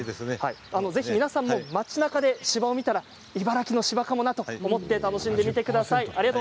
ぜひ皆さんも町なかで芝を見たら茨城の芝かなと思って楽しんでください。